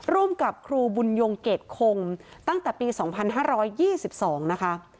ร่วมกับครูบุญยงเกรดคงตั้งแต่ปี๒๕๒๒นะคะ